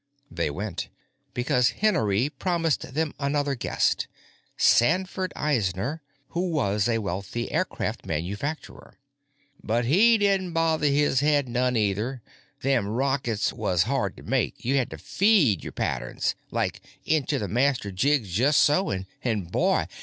They went, because Hennery promised them another guest—Sanford Eisner, who was a wealthy aircraft manufacturer. But he din't bother his head none either; them rockets was hard to make, you had to feed the patterns, like, into the master jigs just so, and, boy!